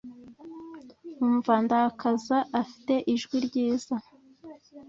umva ndakaza afite ijwi ryiza